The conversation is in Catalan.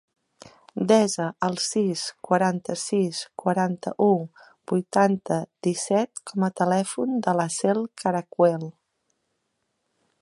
Desa el sis, quaranta-sis, quaranta-u, vuitanta, disset com a telèfon de l'Aseel Caracuel.